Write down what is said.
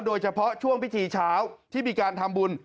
โดยเฉพาะช่วงพิธีเช้าที่มีการทำบุญ